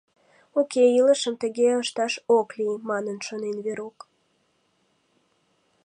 «Уке, илышым тыге ышташ ок лий», — манын шонен Верук.